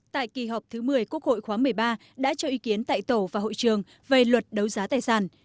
tại kỳ họp thứ một mươi quốc hội khóa một mươi ba đã cho ý kiến tại tổ và hội trường về luật đấu giá tài sản